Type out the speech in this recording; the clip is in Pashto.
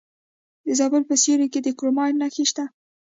د زابل په سیوري کې د کرومایټ نښې شته.